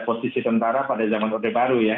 posisi tentara pada zaman orde baru ya